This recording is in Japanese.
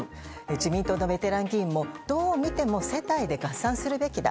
自民党のベテラン議員も、どう見ても世帯で合算するべきだ。